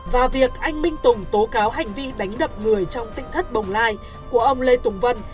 và việc anh minh tùng tố cáo hành vi đánh đập người trong tinh thất bồng lai của ông lê tùng vân